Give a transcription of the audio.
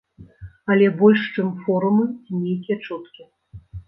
Але больш чым форумы ці нейкія чуткі.